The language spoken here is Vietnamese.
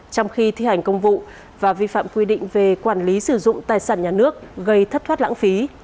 trong khi thi hành công vụ và vi phạm quy định về quản lý sử dụng tài sản nhà nước gây thất thoát lãng phí